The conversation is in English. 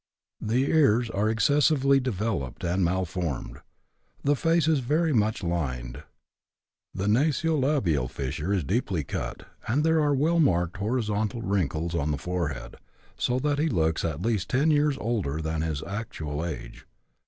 The ears are excessively developed and malformed. The face is very much lined, the nasolabial fissure is deeply cut, and there are well marked horizontal wrinkles on the forehead, so that he looks at least ten years older than his actual age.